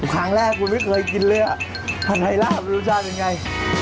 ครั้งแรกคุณไม่เคยกินเหลือผัดไทราบมันรู้ชาติเป็นไง